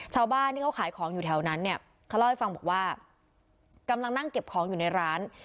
ชาวบ้านที่เขาขายของอยู่แถวนั้นเนี่ยเขาเล่าให้ฟังบอกว่ากำลังนั่งเก็บของอยู่ในร้าน